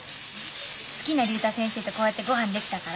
好きな竜太先生とこうやってごはんできたから。